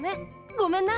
ごめんな。